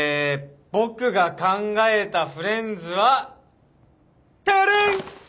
僕が考えたフレンズはタラーン！